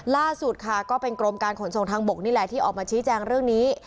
ล่าสุดค่ะก็เป็นกรมการขนส่งทางบกนี่แหละที่ออกมาชี้แจงเรื่องนี้